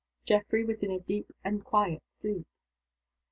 Geoffrey was in a deep and quiet sleep.